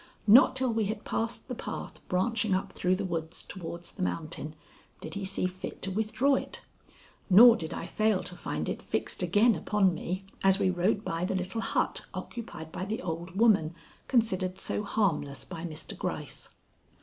Not till we had passed the path branching up through the woods toward the mountain did he see fit to withdraw it, nor did I fail to find it fixed again upon me as we rode by the little hut occupied by the old woman considered so harmless by Mr. Gryce.